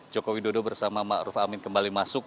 jokowi dodo bersama ma'ruf amin kembali masuk